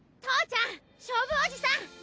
父ちゃん勝舞おじさん